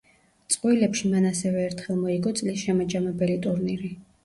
წყვილებში მან ასევე ერთხელ მოიგო წლის შემაჯამებელი ტურნირი.